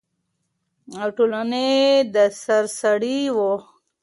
او ټولنې د سر سړی وي،